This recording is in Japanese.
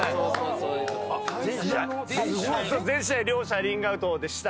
そう全試合両者リングアウトでした。